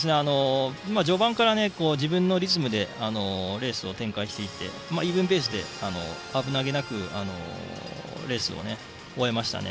序盤から自分のリズムでレースを展開していてイーブンペースで危なげなくレースを終えましたね。